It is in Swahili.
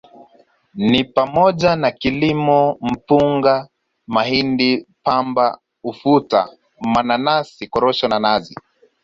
Ni pamoja na kilimo Mpunga Mahindi Pamba Ufuta Mananasi Korosho na Nazi